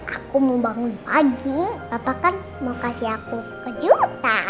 aku mau bangun pagi katakan mau kasih aku kejutan